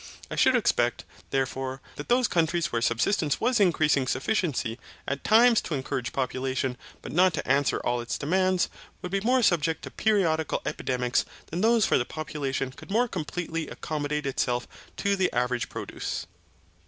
I should expect, therefore, that those countries where subsistence was increasing sufficiency at times to encourage population but not to answer all its demands, would be more subject to periodical epidemics than those where the population could more completely accommodate itself to the average produce.